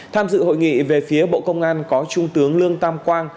tham dự hội nghị về phía bộ công an có trung tướng lương tam quang